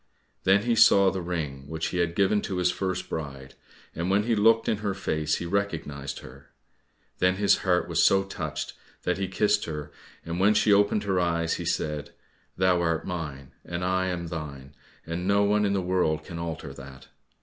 Then he saw the ring which he had given to his first bride, and when he looked in her face he recognized her. Then his heart was so touched that he kissed her, and when she opened her eyes he said, "Thou art mine, and I am thine, and no one in the world can alter that."